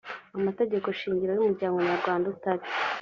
amategeko shingiro y umuryango nyarwanda utari